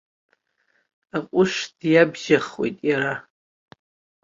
Аҟәыш диабжьахуеит иара.